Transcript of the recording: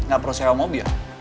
gak perlu sewa mobil